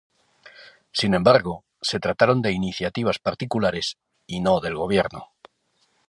Sin embargo, se trataron de iniciativas particulares y no del gobierno.